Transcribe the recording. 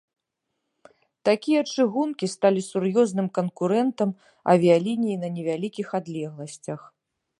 Такія чыгункі сталі сур'ёзным канкурэнтам авіяліній на невялікіх адлегласцях.